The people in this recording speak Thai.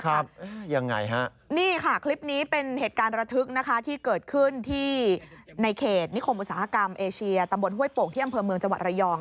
ยังไงฮะนี่ค่ะคลิปนี้เป็นเหตุการณ์ระทึกนะคะที่เกิดขึ้นที่ในเขตนิคมอุตสาหกรรมเอเชียตำบลห้วยโป่งที่อำเภอเมืองจังหวัดระยอง